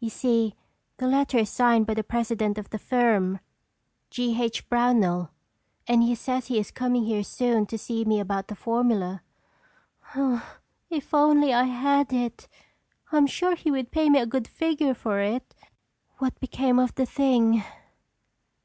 You see the letter is signed by the president of the firm—G. H. Brownell—and he says he is coming here soon to see me about the formula. If only I had it! I'm sure he would pay me a good figure for it. What became of the thing?"